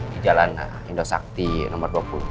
di jalan indosakti nomor dua puluh